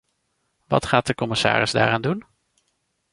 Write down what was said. Wat gaat de commissaris daaraan doen?